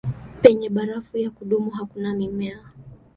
Penye barafu ya kudumu hakuna mimea.